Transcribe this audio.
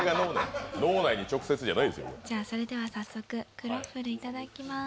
それでは早速、クロッフルいただきます。